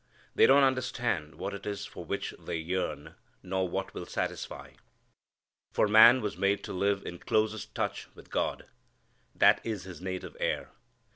They don't understand what it is for which they yearn, nor what will satisfy. For man was made to live in closest touch with God. That is his native air.